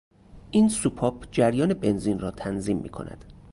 این سوپاپ جریان بنزین را تنظیم می کند.